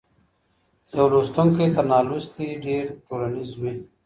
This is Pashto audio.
يو لوستونکی تر نالوستي ډېر ټولنيز وي.